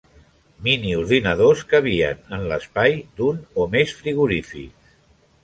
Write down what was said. Miniordinadors cabien en l'espai d'un o més frigorífics.